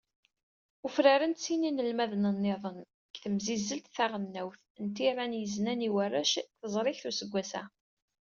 Ufraren-d sin yinelmaden-nniḍen deg temsizzelt taɣelnawt n tira n yiznan i warrac, deg teẓrigt n useggas-a.